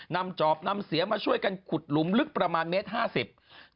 จอบนำเสียมาช่วยกันขุดหลุมลึกประมาณเมตรห้าสิบ